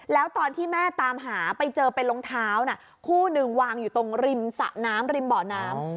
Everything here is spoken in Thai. แล้วตอนที่แม่ตามหาไปเจอเป็นรองเท้าคู่หนึ่งวางอยู่ตรงริมสะน้ำริมเบาะน้ำ